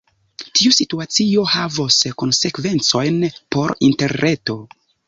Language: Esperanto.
Tiu situacio havos konsekvencojn por Interreto.